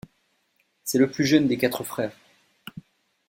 C'est le plus jeune des quatre frères.